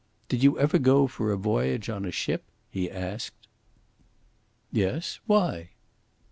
"Did you ever go for a voyage on a ship?" he asked. "Yes; why?"